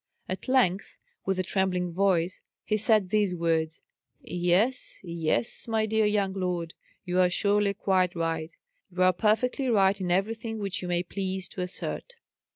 At length, with a trembling voice, he said these words: "Yes, yes, my dear young lord, you are surely quite right; you are perfectly right in everything which you may please to assert."